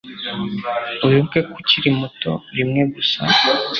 wibuke ko ukiri muto rimwe gusa